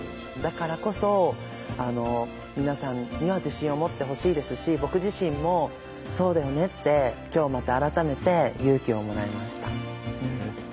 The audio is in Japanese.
だからこそ皆さんには自信を持ってほしいですし僕自身もそうだよねって今日また改めて勇気をもらいました。